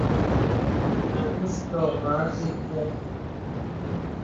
Nə̀ bùs tōk mə a dəp wɔ.